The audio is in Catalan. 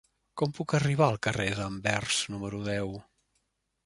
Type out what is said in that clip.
Com puc arribar al carrer d'Anvers número deu?